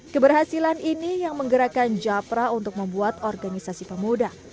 keberhasilan ini yang menggerakkan japra untuk membuat organisasi pemuda